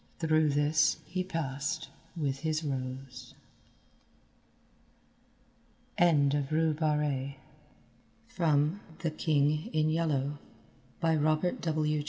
Through this he passed with his rose. End of Project Gutenberg's The King in Yellow, by Robert W.